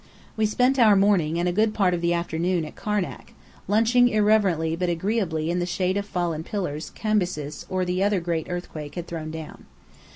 We spent our morning and a good part of the afternoon at Karnak, lunching irreverently but agreeably in the shade of fallen pillars Cambyses or the great earthquake had thrown down.